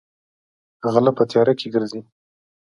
غلۀ پۀ تيارۀ کښې ګرځي ـ